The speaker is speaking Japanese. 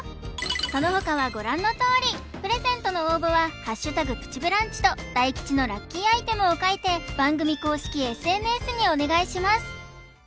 その他はご覧のとおりプレゼントの応募は「＃プチブランチ」と大吉のラッキーアイテムを書いて番組公式ＳＮＳにお願いします